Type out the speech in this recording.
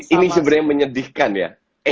ini sebenarnya menyedihkan ya